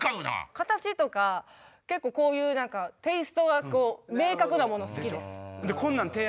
形とか結構こういうテイストが明確なもの好きです。